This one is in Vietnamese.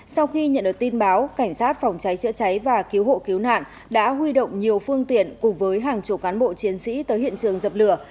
sau khi nhận được tin báo cảnh sát phòng cháy chữa cháy và cứu hộ cứu nạn đã huy động nhiều phương tiện cùng với hàng chục cán bộ chiến sĩ tới hiện trường dập lửa